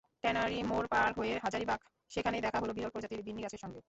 Tannery মোড় পার হয়ে হাজারীবাগ, সেখানেই দেখা হলো বিরল প্রজাতির বিন্নীগাছের সঙ্গে।